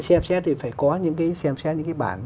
xem xét thì phải có những cái xem xét những cái bản